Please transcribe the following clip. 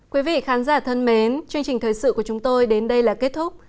quý vị khán giả thân mến chương trình thời sự của chúng tôi đến đây là kết thúc